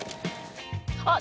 あっ！